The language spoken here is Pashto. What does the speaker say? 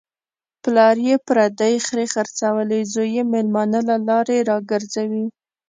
پلار یې پردۍ خرې خرڅولې، زوی یې مېلمانه له لارې را گرځوي.